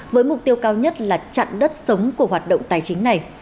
với mục tiêu cao nhất là chặn đất sống của hoạt động tài chính này